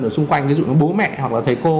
ở xung quanh ví dụ như bố mẹ hoặc là thầy cô